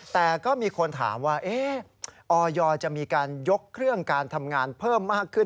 แต่ก็มีคนถามว่าออยจะมีการยกเครื่องการทำงานเพิ่มมากขึ้น